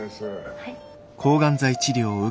はい。